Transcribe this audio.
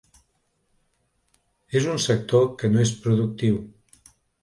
És un sector que no és productiu.